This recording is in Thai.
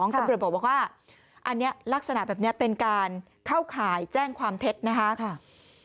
ตำรวจบอกว่าอันนี้ลักษณะแบบนี้เป็นการเข้าข่ายแจ้งความเท็จนะคะ